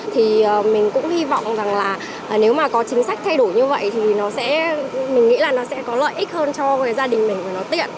thì mình cũng hy vọng rằng là nếu mà có chính sách thay đổi như vậy thì mình nghĩ là nó sẽ có lợi ích hơn cho gia đình mình và nó tiện